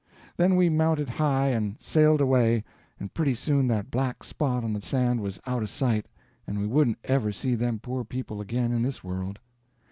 Then we mounted high and sailed away, and pretty soon that black spot on the sand was out of sight, and we wouldn't ever see them poor people again in this world.